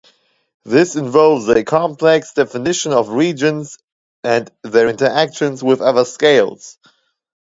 This involves a complex definition of regions and their interactions with other scales.